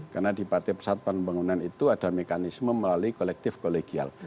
karena di partai persatuan pembangunan itu ada mekanisme melalui kolektif kolegial